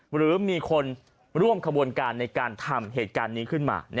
หรือมีคนร่วมขบวนการในการทำเหตุการณ์นี้ขึ้นมา